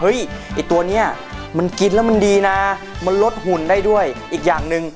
เฮ้ยไอ้ตัวเนี้ยมันกินแล้วมันดีนะมันลดหุ่นได้ด้วย